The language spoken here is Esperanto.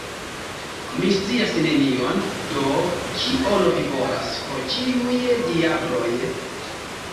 Mi scias nenion; do kion vi volas, pro ĉiuj diabloj?